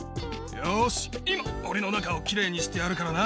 よし今オリの中を奇麗にしてやるからな。